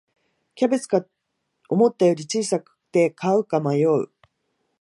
キャベツが思ったより小さくて買うか迷う